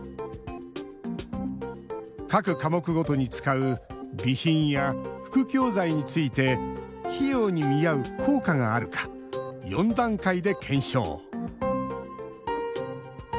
各科目ごとに使う備品や副教材について費用に見合う効果があるか４段階で検証。